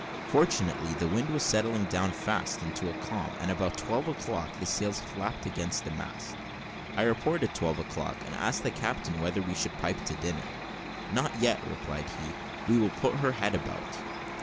Fortunately, the wind was settling down fast into a calm, and about twelve o'clock the sails flapped against the mast. I reported twelve o'clock, and asked the captain whether we should pipe to dinner. "Not yet," replied he, "we will put her head about."